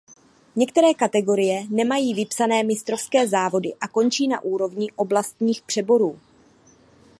Některé kategorie nemají vypsané mistrovské závody a končí na úrovni Oblastních přeborů.